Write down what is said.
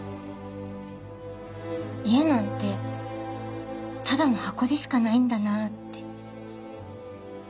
家なんてただの箱でしかないんだなって。